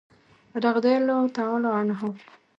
رضي الله تعالی عنه.